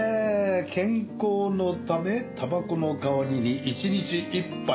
健康のためたばこの代わりに一日一杯。